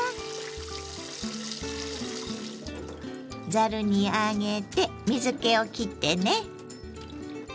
ざるに上げて水けをきってね。